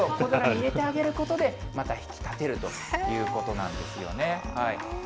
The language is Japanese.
小皿に入れてあげることで、また引き立てるということなんですよね。